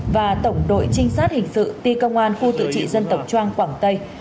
và tổng đội trinh sát hình sự ti công an khu tự trị dân tộc trang quảng tây